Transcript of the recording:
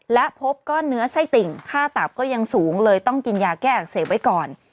และพบก้อนเนื้อไส้ติ่งค่าตับก็ยังสูงเลยต้องกินยาแก้อักเสบไว้ก่อน